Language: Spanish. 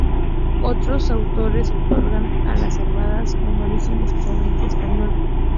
Otros autores otorgan a la zarabanda un origen exclusivamente español.